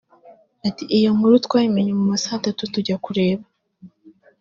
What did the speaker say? Ati “ Iyo nkuru twayimenye mu ma saa tatu tujya kureba